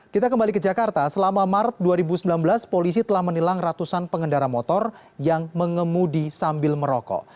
kita kembali ke jakarta selama maret dua ribu sembilan belas polisi telah menilang ratusan pengendara motor yang mengemudi sambil merokok